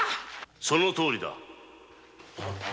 ・そのとおりだ。